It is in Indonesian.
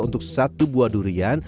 untuk satu buah durian